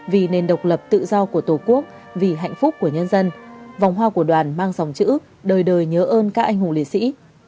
vì nền độc lập tự do của tổ quốc vì hạnh phúc của nhân dân vòng hoa của đoàn mang dòng chữ đời đời nhớ ơn các anh hùng liệt sĩ